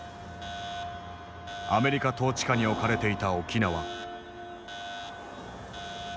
アメリカ統治下に置かれていた沖縄。